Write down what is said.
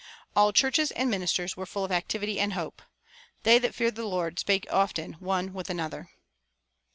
All churches and ministers were full of activity and hope. "They that feared the Lord spake often one with another."